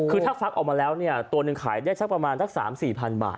คือถ้าฟักออกมาแล้วเนี่ยตัวหนึ่งขายได้สักประมาณสัก๓๔๐๐บาท